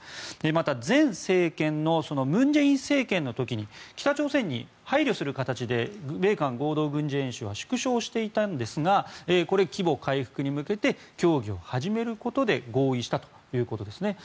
また、前政権の文在寅政権の時に北朝鮮に配慮する形で米韓合同軍事演習は縮小していたんですがこれ、規模回復に向けて協議を始めることで合意したということですね。